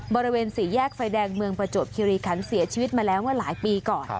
บริเวณสี่แยกไฟแดงเมืองประจวบคิริคันเสียชีวิตมาแล้วเมื่อหลายปีก่อน